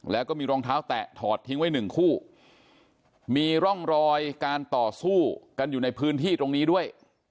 แล้วก็มีรองเท้าแตะถอดทิ้งไว้หนึ่งคู่มีร่องรอยการต่อสู้กันอยู่ในพื้นที่ตรงนี้ด้วย